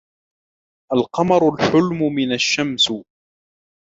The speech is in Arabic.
الْقَمَرُ الْحُلْم مِنْ الشَمْسُ.